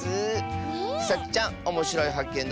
さちちゃんおもしろいはっけん